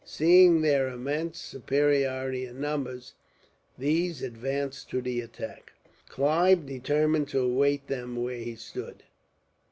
Seeing their immense superiority in numbers, these advanced to the attack. Clive determined to await them where he stood.